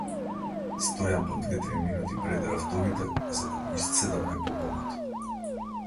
Стојам по две-три минути пред рафтовите, за да го исцедам најповолното.